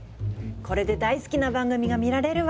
これで大好きな番組が見られるわ！